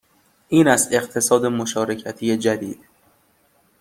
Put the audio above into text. این است اقتصاد مشارکتی جدید